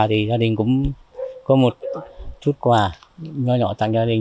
gia đình cũng có một chút quà nhỏ nhỏ tặng gia đình